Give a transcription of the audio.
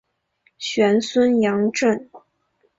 玄孙杨震。